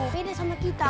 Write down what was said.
pede sama kita